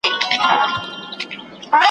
مسافر بیرته کږو لارو ته سم سو ,